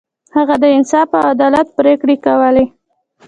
هغه د انصاف او عدالت پریکړې کولې.